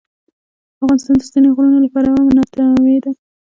افغانستان د ستوني غرونه له پلوه متنوع دی.